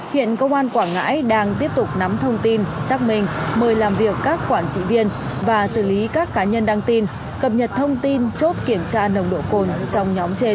hiện công an quảng ngãi đang tiếp tục nắm thông tin xác minh mời làm việc các quản trị viên và xử lý các cá nhân đăng tin cập nhật thông tin chốt kiểm tra nồng độ cồn trong nhóm trên